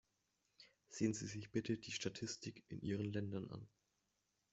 Sehen Sie sich bitte die Statistik in Ihren Ländern an.